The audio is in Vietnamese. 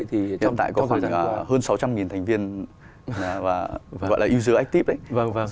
hiện tại có khoảng hơn sáu trăm linh thành viên và gọi là user active đấy